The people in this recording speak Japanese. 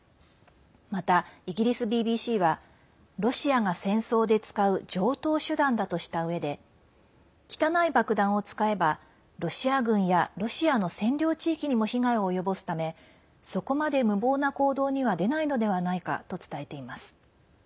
また、イギリスＢＢＣはロシアが戦争で使う常とう手段だとしたうえで汚い爆弾を使えばロシア軍やロシアの占領地域にも被害を及ぼすためそこまで無謀な行動には出ないのではないかと伝えています。